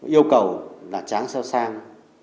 đâu cầu là trang sơ sang